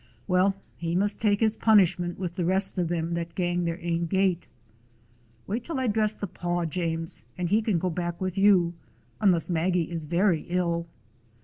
Well, he must take his punishment with the rest of them that gang their ain gait." "Wait while I dress the paw, James, and he can go back with you, unless Maggie is very ill."